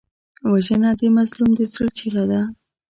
وژنه د مظلوم د زړه چیغه ده